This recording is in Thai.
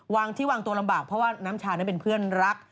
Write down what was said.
ที่วางตัวลำบากเพราะว่าน้ำชานั้นเป็นเพื่อนรัก